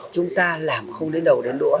chúng ta làm không đến đầu đến đũa